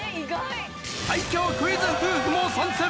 最強クイズ夫婦も参戦！